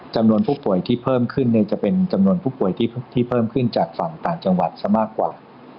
จำนวนผู้ป่วยที่เพิ่มขึ้นจะเป็นจำนวนผู้ป่วยที่เพิ่มขึ้นจากฝั่งต่างจังหวัดซะมากกว่า